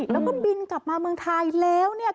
แล้วก็บินกลับมาเมืองไทยแล้วเนี่ย